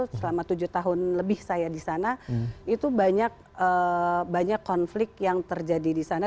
selama tujuh tahun lebih saya di sana itu banyak konflik yang terjadi di sana